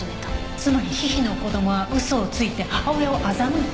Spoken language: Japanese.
つまりヒヒの子供は嘘をついて母親を欺いた。